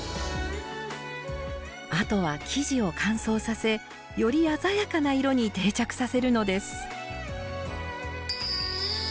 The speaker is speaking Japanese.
あとは生地を乾燥させより鮮やかな色に定着させるのです